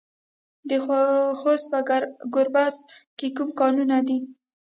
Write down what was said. د خوست په ګربز کې کوم کانونه دي؟